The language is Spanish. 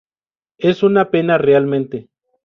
Es una pena realmente".